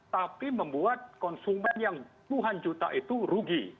tapi membuat konsumen yang puluhan juta itu rugi